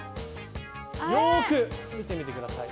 よく見てみてください。